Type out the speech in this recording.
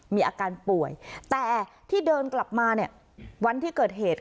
มีอาการป่วยแต่ที่เดินกลับมาเนี่ยวันที่เกิดเหตุ